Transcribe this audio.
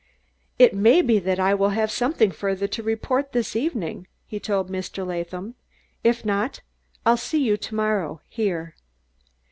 "It may be that I will have something further to report this evening," he told Mr. Latham. "If not, I'll see you to morrow, here."